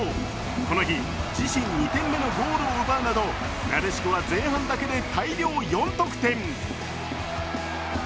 この日、自身２点目のゴールを奪うなどなでしこは前半だけで大量４得点。